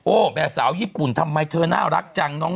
โอ้เม่อสาวญี่ปุ่นทำไมเธอน่ารักจัง